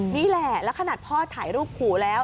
นี่แหละแล้วขนาดพ่อถ่ายรูปขู่แล้ว